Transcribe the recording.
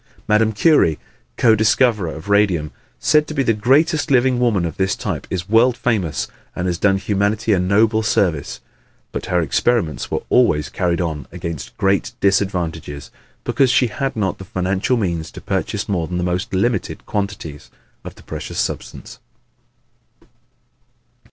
Madame Curie, co discoverer of radium, said to be the greatest living woman of this type, is world famous and has done humanity a noble service. But her experiments were always carried on against great disadvantages because she had not the financial means to purchase more than the most limited quantities of the precious substance.